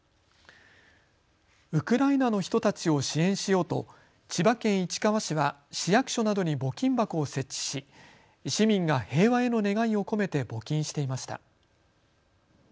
ウクライナの人たちを支援しようと千葉県市川市は市役所などに募金箱を設置し市民が平和への願いを込めて募金していました。